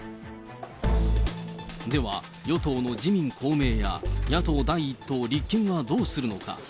では、与党の自民、公明や野党第１党、立憲はどうするのか。